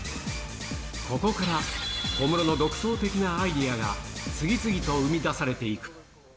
ここから小室の独創的なアイデアが次々と生み出されていく。